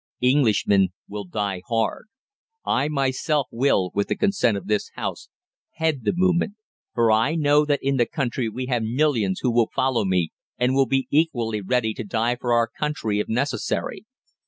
Englishmen will die hard. I myself will, with the consent of this House, head the movement, for I know that in the country we have millions who will follow me and will be equally ready to die for our country if necessary.